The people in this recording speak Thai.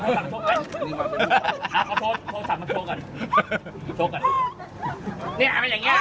เอาขอโทรศัพท์มาโทรก่อนโทรก่อนเนี่ยอย่างเนี้ย